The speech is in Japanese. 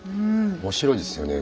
面白いですよね。